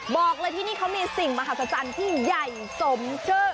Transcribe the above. บอกเลยที่นี่เขามีสิ่งมหัศจรรย์ที่ใหญ่สมชื่อ